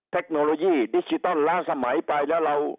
เทคโนโลยีดิจิตอลล้าสมัยไปแล้วเรา